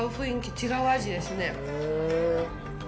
違う味ですね。